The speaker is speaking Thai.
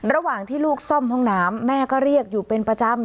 ระหว่างที่ลูกซ่อมห้องน้ำแม่ก็เรียกอยู่เป็นประจำ